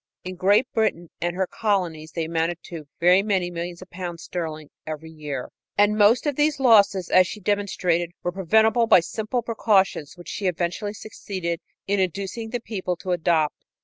In Great Britain and her colonies they amounted to very many millions of pounds sterling every year. And most of these losses, as she demonstrated, were preventable by simple precautions which she eventually succeeded in inducing the people to adopt.